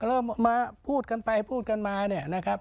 ก็เริ่มมาพูดกันไปพูดกันมา